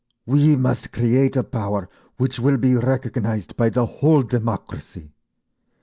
… We must create a power which will be recognised by the whole democracy.